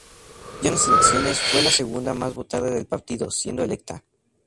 Ya en las elecciones, fue la segunda más votada del partido, siendo electa.